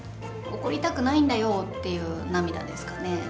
怒りたくないんだよっていう涙ですかね。